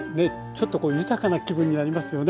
ちょっと豊かな気分になりますよね。